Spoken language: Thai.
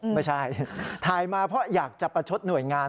ไม่ใช่ถ่ายมาเพราะอยากจะประชดหน่วยงาน